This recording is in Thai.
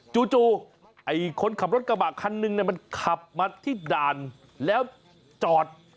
จู่ไอ้คนขับรถกระบะคันนึงมันขับมาที่ด่านแล้วจอด